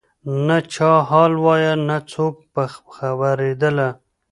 نه چا حال وایه نه څوک په خبرېدله